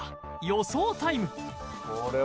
予想タイム